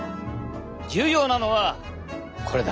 重要なのはこれだ！